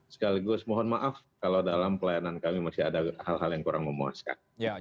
sekaligus mohon maaf kalau dalam pelayanan kami masih ada hal hal yang kurang memuaskan